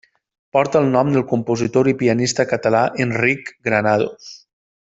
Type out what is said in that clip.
Porta el nom del compositor i pianista català Enric Granados.